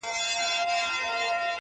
جهاني ولي دي تیارې په اوښکو ستړي کړلې -